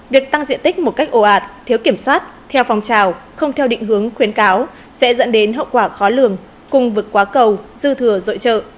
việc tăng diện tích một cách ồ ạt thiếu kiểm soát theo phòng trào không theo định hướng khuyến cáo sẽ dẫn đến hậu quả khó lường cùng vượt quá cầu dư thừa dội trợ